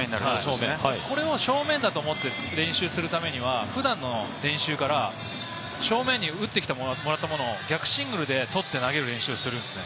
これは正面だと思って練習するためには、普段の練習から正面に打ってきてもらったものを逆シングルで取って投げる練習をするんですね。